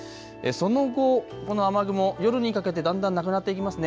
その後この雨雲、夜にかけてだんだんなくなっていきますね。